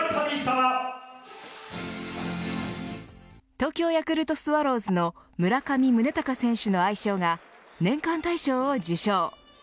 東京ヤクルトスワローズの村上宗隆選手の愛称が年間大賞を受賞。